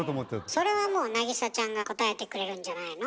それはもう凪咲ちゃんが答えてくれるんじゃないの？